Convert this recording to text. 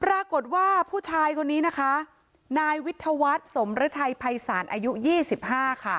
ปรากฏว่าผู้ชายคนนี้นะคะนายวิทยาวัฒน์สมฤทัยภัยศาลอายุ๒๕ค่ะ